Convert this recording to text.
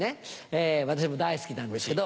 私も大好きなんですけど